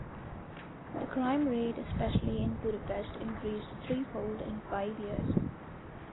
The crime rate, especially in Budapest, increased threefold in five years.